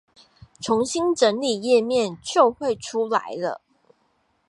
重新整理頁面就會出來了